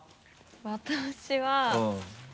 私は。